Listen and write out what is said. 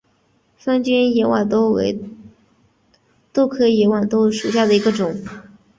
三尖野豌豆为豆科野豌豆属下的一个种。